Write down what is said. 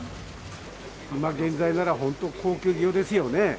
今現在なら、本当に高級魚ですよね。